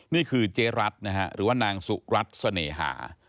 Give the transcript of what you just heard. นี่คือเจ๊รัฐนะฮะหรือว่านางสุรัตน์เสน่หา